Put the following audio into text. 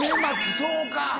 そうか。